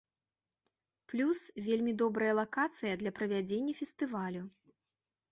Плюс, вельмі добрая лакацыя для правядзення фестывалю.